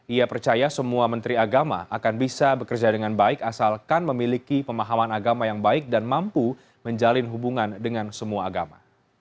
ia percaya semua menteri agama akan bisa bekerja dengan baik asalkan memiliki pemahaman agama yang baik dan mampu menjalin hubungan dengan semua agama